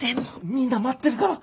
みんな待ってるから。早く！